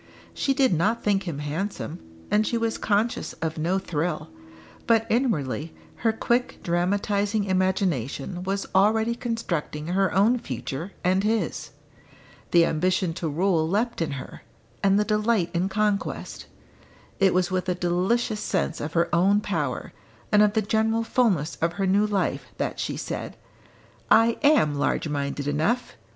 She did not think him handsome, and she was conscious of no thrill. But inwardly her quick dramatising imagination was already constructing her own future and his. The ambition to rule leapt in her, and the delight in conquest. It was with a delicious sense of her own power, and of the general fulness of her new life, that she said, "I am large minded enough!